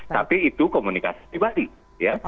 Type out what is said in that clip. tapi itu komunikasi pribadi ya